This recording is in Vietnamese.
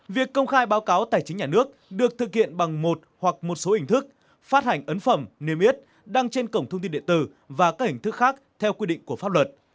việc công khai báo cáo tài chính nhà nước được thực hiện bằng một hoặc một số hình thức phát hành ấn phẩm niêm yết đăng trên cổng thông tin điện tử và các hình thức khác theo quy định của pháp luật